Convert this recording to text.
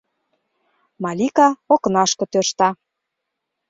Малика окнашке тӧршта.